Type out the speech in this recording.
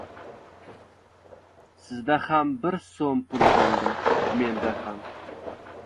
Sizda ham bir so‘m pul qoldi, menda ham.